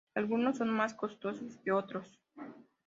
Algunos son más costosos que otros.